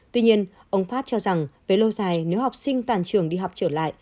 tuy nhiên ông phát cho rằng với lâu dài nếu học sinh toàn trường đi học trở lại